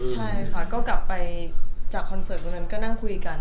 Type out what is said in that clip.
ใช่ค่ะก็กลับไปจากคอนเสิร์ตตรงนั้นก็นั่งคุยกัน